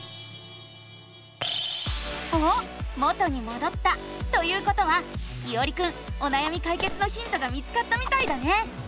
おっ元にもどったということはいおりくんおなやみかいけつのヒントが見つかったみたいだね！